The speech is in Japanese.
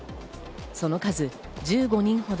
その数、１５人ほど。